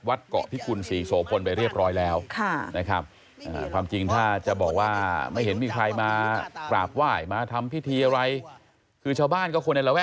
วัดเกาะพิกุล๔โสภนไปเรียบร้อยแล้ว